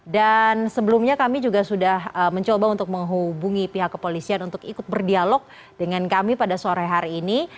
dan sebelumnya kami juga sudah mencoba untuk menghubungi pihak kepolisian untuk ikut berdialog dengan kami pada sore hari ini